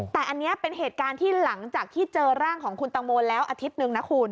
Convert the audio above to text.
แต่อันนี้เป็นเหตุการณ์ที่หลังจากที่เจอร่างของคุณตังโมแล้วอาทิตย์หนึ่งนะคุณ